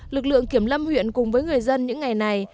lực lượng kiểm lâm huyện cùng với người dân những ngày này